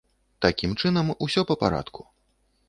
Такім чынам, усё па парадку.